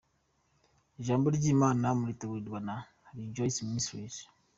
Ijambo ry’Imana muritegurirwa na Rejoice Ministries .